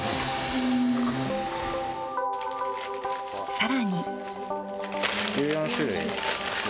さらに。